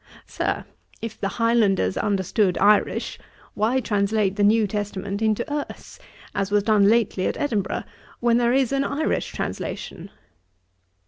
'Sir, if the Highlanders understood Irish, why translate the New Testament into Erse, as was done lately at Edinburgh, when there is an Irish translation?'